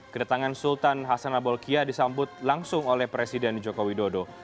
kedatangan sultan hasan abolkiah disambut langsung oleh presiden joko widodo